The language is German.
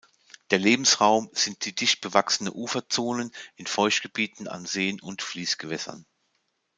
Der Lebensraum sind die dicht bewachsene Uferzonen in Feuchtgebieten, an Seen und Fließgewässern.